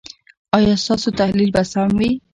ایا ستاسو تحلیل به سم وي؟